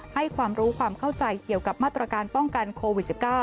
ให้ความรู้ความเข้าใจเกี่ยวกับมาตรการป้องกันโควิด๑๙